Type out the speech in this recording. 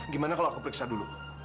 gimana kalau aku periksa dulu